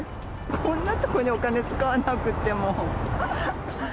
こんな所にお金使わなくっても。